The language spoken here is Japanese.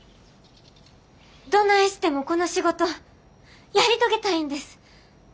どないしてもこの仕事やり遂げたいんです。